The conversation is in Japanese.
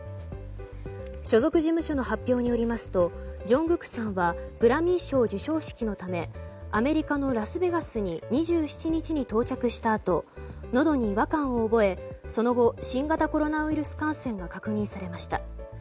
所属事務所の発表によりますとＪＵＮＧＫＯＯＫさんはグラミー賞授賞式のためアメリカのラスベガスに２７日に到着したあとのどに違和感を覚えその後新型コロナウイルス感染が確認されました。